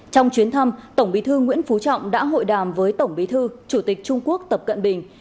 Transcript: trong chuyến thăm tổng bí thư nguyễn phú trọng đã hội đàm với tổng bí thư chủ tịch trung quốc tập cận bình